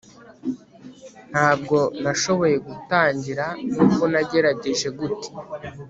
ntabwo nashoboye gutangira nubwo nagerageje gute